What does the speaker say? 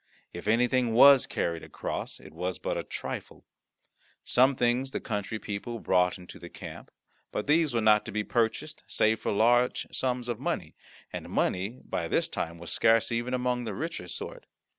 If anything was carried across, it was but a trifle. Some things the country people brought into the camp, but these were not to be purchased save for large sums of money, and money was by this time scarce even among the richer sort.